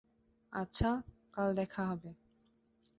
আচ্ছা, কাল দেখা হবে।